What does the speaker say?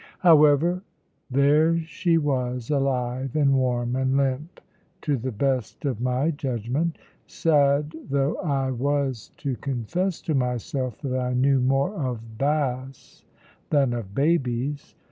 However, there she was alive, and warm, and limp, to the best of my judgment, sad though I was to confess to myself that I knew more of bass than of babies.